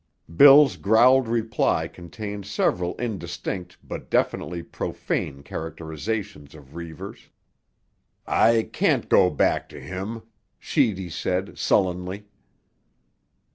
Bill's growled reply contained several indistinct but definitely profane characterisations of Reivers. "I can't go back to him," Sheedy said sullenly.